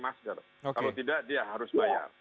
masker kalau tidak dia harus bayar